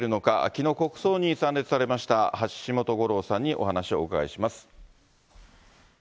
きのう国葬に参列されました、橋本五郎さんにお話をお伺いします。